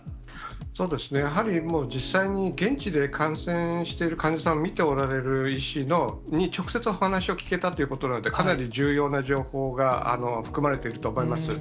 そうですね、やはりもう、実際に現地で感染している患者さんを診ておられる医師に直接お話を聞けたということなんで、かなり重要な情報が含まれていると思います。